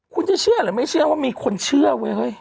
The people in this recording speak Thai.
คุณจะเชื่อหรือไม่เชื่อว่ามีคนเชื่อเว้ย